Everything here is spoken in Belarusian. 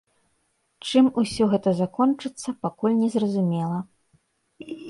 Чым усё гэта закончыцца, пакуль не зразумела.